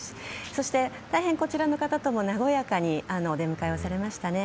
そして大変こちらの方とも和やかにお出迎えされましたね。